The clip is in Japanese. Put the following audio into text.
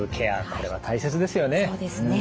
これは大切ですよね。